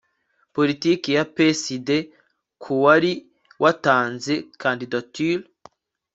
Politiki ya PSD ku wari watanze candidature